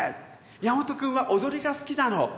「宮本君は踊りが好きなの！」。